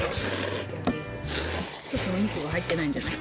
お肉が入ってないんじゃない？